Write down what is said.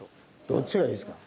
どっちがいいですか？